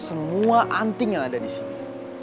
semua anting yang ada disini